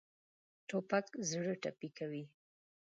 توپک زړه ټپي کوي.